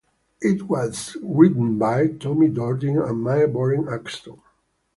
It was written by Tommy Durden and Mae Boren Axton.